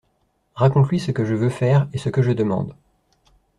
Raconte-lui ce que je veux faire et ce que je demande.